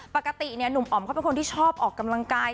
ปกติหนุ่มอ๋อมเขาเป็นคนที่ชอบออกกำลังกาย